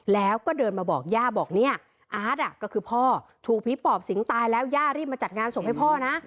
แล้วก็เดินมาบอกย่าบอกเนี่ยอาร์ตก็คือพ่อถูกผีปอบสิงตายแล้วย่ารีบมาจัดงานศพให้พ่อนะ